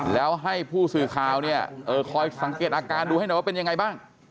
แล้วให้ผู้สื่อข่าวเนี่ยคอยสังเกตอาการดูให้หน่อยว่าเป็นยังไงบ้าง